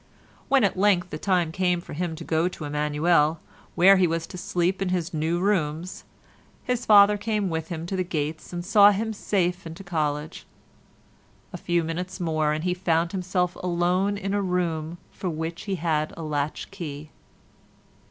When at length the time came for him to go to Emmanuel, where he was to sleep in his new rooms, his father came with him to the gates and saw him safe into college; a few minutes more and he found himself alone in a room for which he had a latch key.